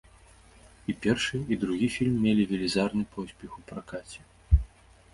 І першы, і другі фільм мелі велізарны поспех у пракаце.